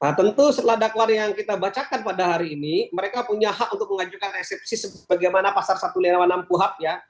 nah tentu setelah dakwaan yang kita bacakan pada hari ini mereka punya hak untuk mengajukan resepsi sebagaimana pasar satu lirawan enam puluh h